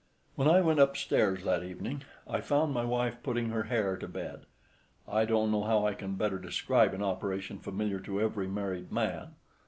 When I went upstairs that evening, I found my wife putting her hair to bed—I don't know how I can better describe an operation familiar to every married man.